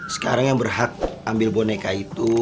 sekarang yang berhak ambil boneka itu